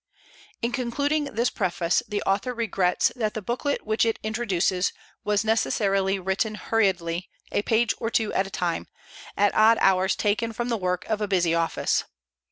In concluding this preface, the author regrets that the booklet which it introduces was necessarily written hurriedly, a page or two at a time, at odd hours taken from the work of a busy office.